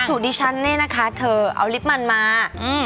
สูตรดิชันเนี่ยนะคะเธอเอาลิปมันมา